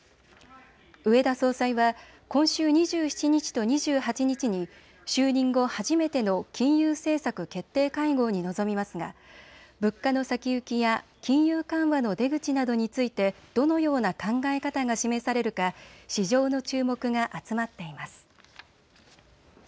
植田総裁は今週２７日と２８日に就任後初めての金融政策決定会合に臨みますが物価の先行きや金融緩和の出口などについてどのような考え方が示されるか市場の注目が集まっています。